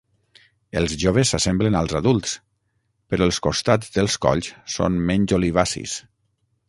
Els joves s'assemblen als adults, però els costats dels colls són menys olivacis.